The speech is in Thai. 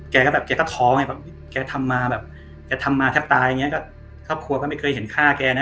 แกก็แบบแกก็ท้อไงแบบแกทำมาแบบแกทำมาแทบตายอย่างเงี้ก็ครอบครัวก็ไม่เคยเห็นฆ่าแกนะ